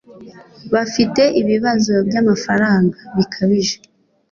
bafite ibibazo byamafaranga bikabije